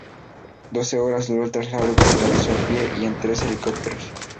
Doce horas duro el traslado que se realizó a pie y en tres helicópteros.